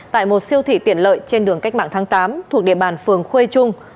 tại một siêu thị tiện lợi trên đường cách mạng tháng tám thuộc địa bàn phường khuê trung